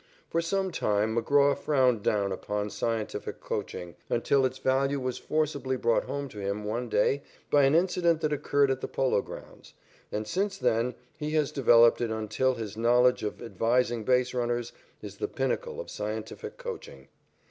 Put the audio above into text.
For some time McGraw frowned down upon scientific coaching, until its value was forcibly brought home to him one day by an incident that occurred at the Polo Grounds, and since then he has developed it until his knowledge of advising base runners is the pinnacle of scientific coaching.